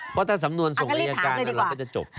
เพราะถ้าสำนวนส่งอายการเราก็จะจบ